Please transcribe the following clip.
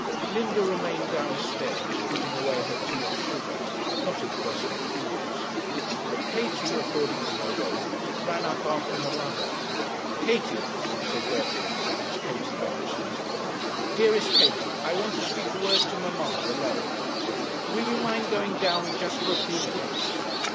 Linda remained downstairs, putting away her tea and sugar, not in the best of humours; but Katie, according to her wont, ran up after her mother. 'Katie,' said Gertrude, as Katie bounced into the room, 'dearest Katie, I want to speak a word to mamma alone. Will you mind going down just for a few minutes?'